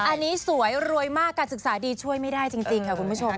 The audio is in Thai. อันนี้สวยรวยมากการศึกษาดีช่วยไม่ได้จริงค่ะคุณผู้ชม